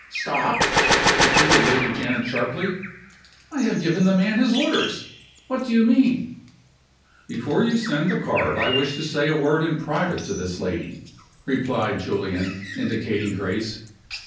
"Stop?" repeated Lady Janet, sharply. "I have given the man his orders. What do you mean?" "Before you send the card I wish to say a word in private to this lady," replied Julian, indicating Grace.